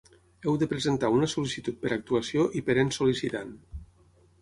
Heu de presentar una sol·licitud per actuació i per ens sol·licitant.